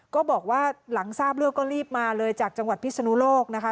ก็บอกว่าหลังทราบเรื่องก็รีบมาเลยจากจังหวัดพิศนุโลกนะคะ